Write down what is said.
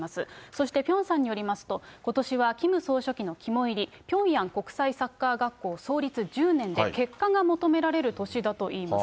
そしてピョンさんによりますと、ことしはキム総書記の肝煎り、ピョンヤン国際サッカー学校創立１０年で、結果が求められる年だといいます。